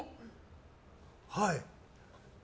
はい。